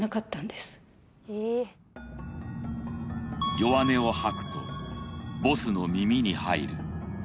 弱音を吐くとボスの耳に入る。